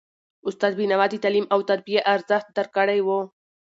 استاد بینوا د تعلیم او تربیې ارزښت درک کړی و.